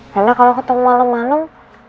karena kalau ketemu malam malam